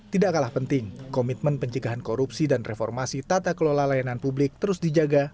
tidak kalah penting komitmen pencegahan korupsi dan reformasi tata kelola layanan publik terus dijaga